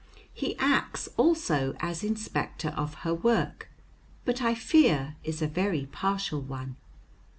He acts also as inspector of her work, but I fear is a very partial one.